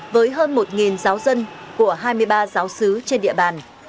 với hơn một giáo dân của hai mươi ba giáo sứ trên địa bàn